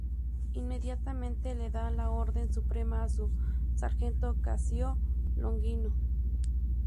Inmediatamente le da la orden suprema a su sargento Casio Longino.